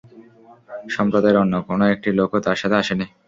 সম্প্রদায়ের অন্য কোন একটি লোকও তার সাথে আসেনি।